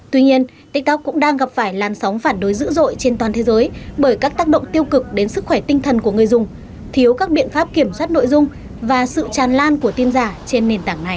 tuy nhiên tiktok cũng đang gặp phải làn sóng phản đối dữ dội trên toàn thế giới bởi các tác động tiêu cực đến sức khỏe tinh thần của người dùng thiếu các biện pháp kiểm soát nội dung và sự tràn lan của tin giả trên nền tảng này